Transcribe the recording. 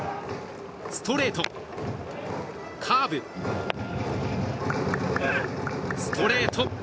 ストレートカーブストレート。